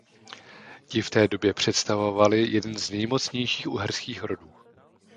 Ti v té době představovali jeden z nejmocnějších uherských rodů.